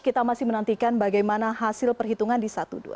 kita masih menantikan bagaimana hasil perhitungan di satu dua tiga empat enam